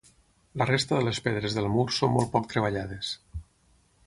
La resta de les pedres del mur són molt poc treballades.